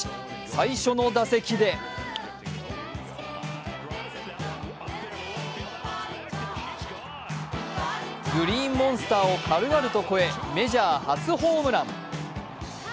最初の打席でグリーンモンスターを軽々と超え、メジャー初ホームラン。